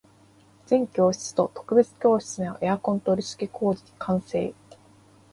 全教室と特別教室へのエアコン取り付け工事完成